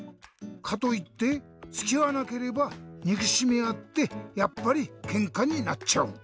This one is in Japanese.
かといってつきあわなければにくしみあってやっぱりケンカになっちゃう。